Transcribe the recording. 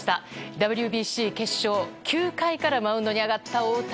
ＷＢＣ決勝、９回からマウンドに上がった大谷。